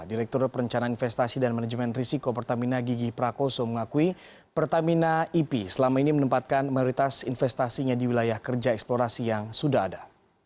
direktur perencanaan investasi dan manajemen risiko pertamina gigi prakoso mengakui pertamina ip selama ini menempatkan mayoritas investasinya di wilayah kerja eksplorasi yang sudah ada